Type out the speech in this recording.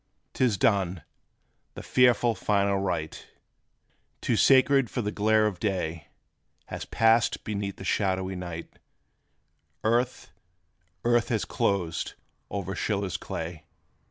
'T is done, the fearful, final rite, Too sacred for the glare of day, Has passed beneath the shadowy night Earth, earth has closed o'er SCHILLER's clay!